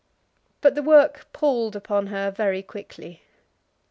But the work palled upon her very quickly.